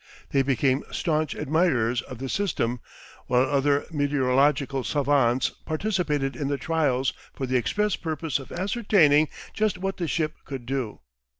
They became staunch admirers of the system, while other meteorological savants participated in the trials for the express purpose of ascertaining just what the ship could do.